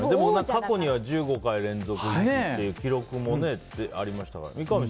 過去には１５回連続という記録もありましたから。